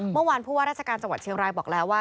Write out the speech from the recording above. เมื่อวานผู้ว่าราชการจังหวัดเชียงรายบอกแล้วว่า